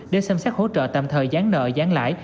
để xem xét hỗ trợ tạm thời gián nợ gián lãi